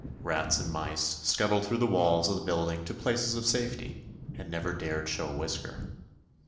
Rats and mice scuttled through the walls of the building to places of safety, and never dared show a whisker.